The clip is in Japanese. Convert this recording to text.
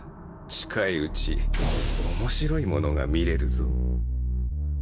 近いうち面白いものが見れるぞ。